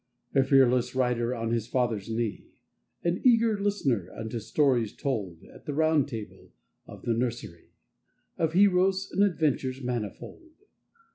A fearless rider on his father's knee, An eager listener unto stories told At the Round Table of the nursery, Of heroes and adventures manifold.